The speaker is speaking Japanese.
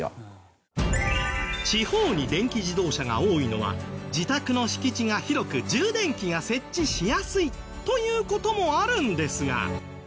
地方に電気自動車が多いのは自宅の敷地が広く充電器が設置しやすいという事もあるんですが。